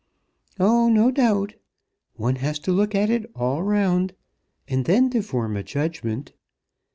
"Oh, no doubt! One has to look at it all round, and then to form a judgment.